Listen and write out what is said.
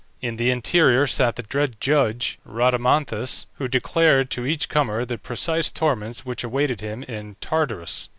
In the interior sat the dread judge Rhadamanthus, who declared to each comer the precise torments which awaited him in Tartarus.